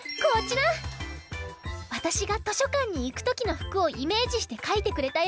わたしがとしょかんにいくときのふくをイメージしてかいてくれたよ。